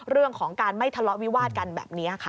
เรื่องของการไม่ทะเลาะวิวาดกันแบบนี้ค่ะ